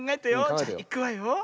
じゃいくわよ。